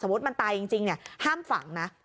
มันตายจริงเนี่ยห้ามฝังนะ